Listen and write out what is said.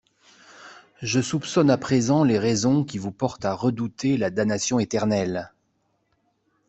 Je soupçonne à présent les raisons qui vous portent à redouter la damnation éternelle.